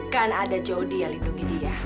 kan ada jodi yang lindungi dia